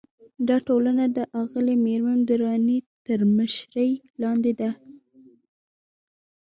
دا ټولنه د اغلې مریم درانۍ تر مشرۍ لاندې ده.